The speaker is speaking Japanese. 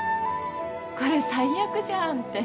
これ最悪じゃんって。